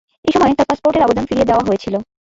এসময় তার পাসপোর্টের আবেদন ফিরিয়ে দেয়া হয়েছিলো।